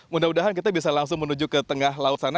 mudah mudahan kita bisa langsung menuju ke tengah laut sana